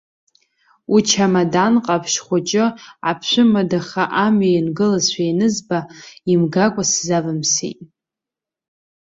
Учамадан ҟаԥшь хәыҷы аԥшәымадаха амҩа иангылазшәа ианызба, имгакәа сзавымсит.